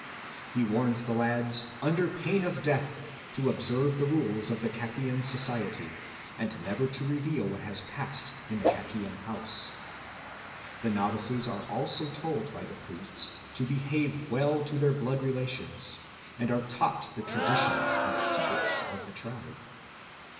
He warns the lads, under pain of death, to observe the rules of the Kakian society, and never to reveal what has passed in the Kakian house. The novices are also told by the priests to behave well to their blood relations, and are taught the traditions and secrets of the tribe.